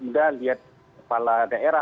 muda lihat kepala daerah